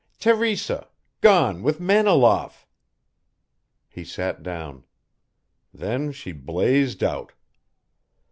"Teresa gone with Maniloff." He sat down. Then she blazed out.